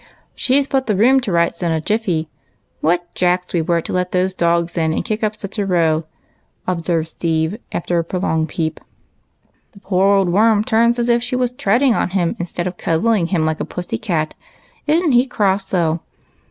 " She 's put the room to rights in a jiffy. What jacks we were to let those dogs in and kick up such a roAv," observed Steve, after a prolonged peep. " The poor old A¥orm turns as if she was treading on him instead of cuddling him like a pussy cat. Is n't he cross, though